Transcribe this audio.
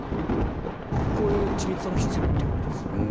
こういう緻密さも必要ということですね。